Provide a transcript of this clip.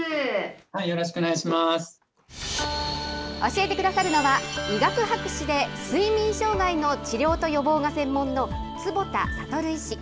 教えてくださるのは、医学博士で睡眠障害の治療と予防が専門の坪田聡医師。